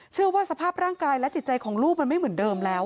สภาพร่างกายและจิตใจของลูกมันไม่เหมือนเดิมแล้ว